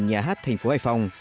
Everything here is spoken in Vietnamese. nhà hát thành phố hải phòng